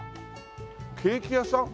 ケーキ屋さん？